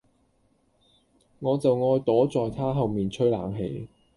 我就愛躲在他後面吹冷氣